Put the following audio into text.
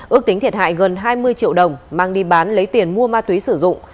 ước tính thiệt hại gần hai mươi triệu đồng mang đi bán lấy tiền mua ma túy sử dụng